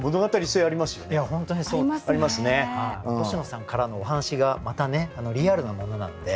星野さんからのお話がまたリアルなものなので。